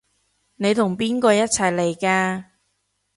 你同邊個一齊嚟㗎？